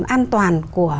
an toàn của